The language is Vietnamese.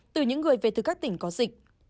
từ những người về từ các tỉnh có dịch